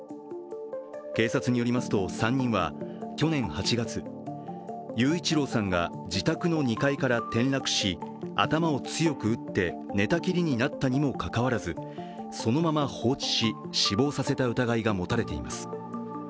警察によりますと３人は去年８月、雄一郎さんが自宅の２階から転落し、頭を強く打って寝たきりになったにもかかわらず、そのまま放置し、死亡させた疑いが持たれています。